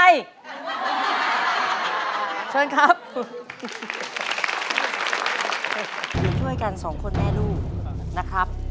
ช่วยกันสองคนแม่ลูกนะครับ